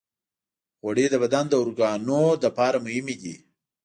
غوړې د بدن د اورګانونو لپاره مهمې دي.